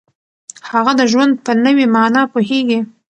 هغه د ژوند په نوې معنا پوهیږي.